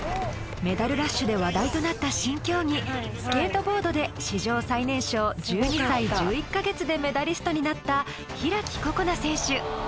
メダルラッシュで話題となった新競技スケートボードで史上最年少１２歳１１カ月でメダリストになった開心那選手